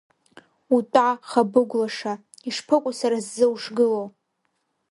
Утәа Хабыгә лаша, ишԥыкәу сара сзы ушгыло!